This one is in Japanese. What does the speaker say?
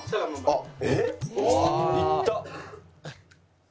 あっ。